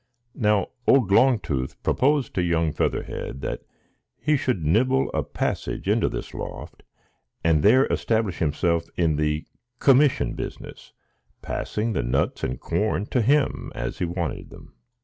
Now old Longtooth proposed to young Featherhead that he should nibble a passage into this loft, and there establish himself in the commission business, passing the nuts and corn to him as he wanted them.